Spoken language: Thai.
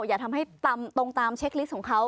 อย่าดึงตามเทคลิสของเขา